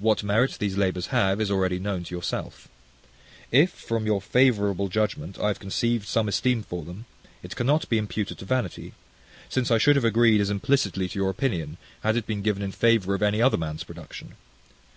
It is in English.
What merit these labours have is already known to yourself. If, from your favourable judgment, I have conceived some esteem for them, it cannot be imputed to vanity; since I should have agreed as implicitly to your opinion, had it been given in favour of any other man's production.